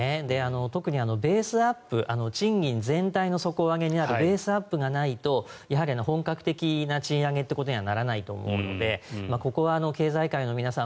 特にベースアップ賃金全体の底上げになるベースアップがないとやはり本格的な賃上げにはならないと思うのでここは経済界の皆さん